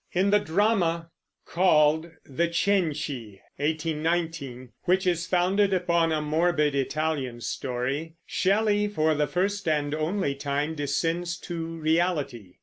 In the drama called The Cenci (1819), which is founded upon a morbid Italian story, Shelley for the first and only time descends to reality.